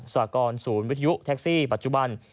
สากรศูนย์วิทยุแท็กซี่ปัจจุบัน